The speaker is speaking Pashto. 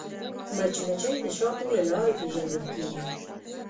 مچمچۍ د شاتو له لارې پیژندل کېږي